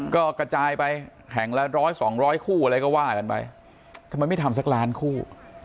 ก็กระจายไปแห่งละ๑๐๐๒๐๐คู่อะไรก็ว่าทำไมไม่ทำสักล้านคู่